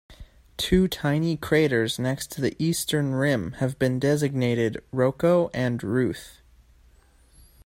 Two tiny craters next to the eastern rim have been designated Rocco and Ruth.